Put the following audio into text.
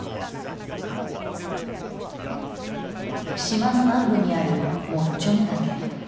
島の南部にあるモッチョム岳。